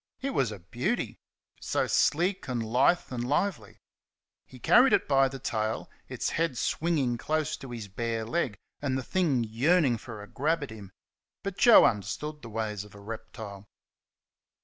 It was a beauty. So sleek and lithe and lively! He carried it by the tail, its head swinging close to his bare leg, and the thing yearning for a grab at him. But Joe understood the ways of a reptile.